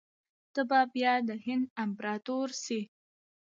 ته به بیا د هند امپراطور سې.